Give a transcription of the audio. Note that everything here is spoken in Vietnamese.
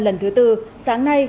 lần thứ tư sáng nay